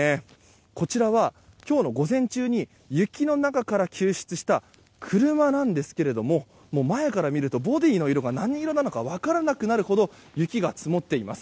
こちらは今日の午前中に雪の中から救出した車なんですけれども前から見るとボディーの色が何色なのか分からなくなるほど雪が積もっています。